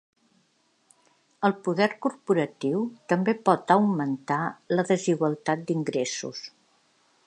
El poder corporatiu també pot augmentar la desigualtat d'ingressos.